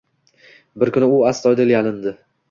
Bir kuni u astoydil yalindi.